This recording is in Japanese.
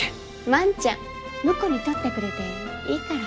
万ちゃん婿に取ってくれていいから。